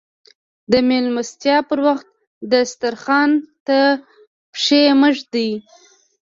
د ميلمستيا پر وخت دسترخوان ته پښې مه ږدئ.